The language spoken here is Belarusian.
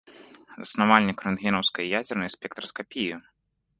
Заснавальнік рэнтгенаўскай і ядзернай спектраскапіі.